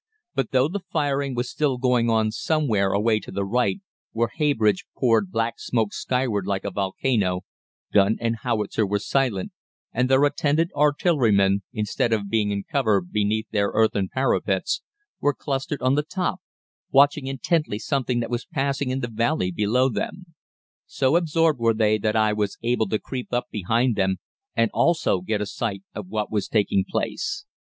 But though the firing was still going on somewhere away to the right, where Heybridge poured black smoke skyward like a volcano, gun and howitzer were silent, and their attendant artillerymen, instead of being in cover behind their earthen parapets, were clustered on the top, watching intently something that was passing in the valley below them. So absorbed were they that I was able to creep up behind them, and also get a sight of what was taking place.